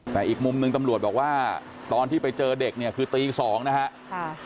แต่อีกมุมหนึ่งตำรวจบอกว่าตอนที่ไปเจอเด็กเนี่ยคือตี๒นะฮะ